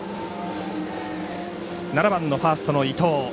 ７番のファーストの伊藤。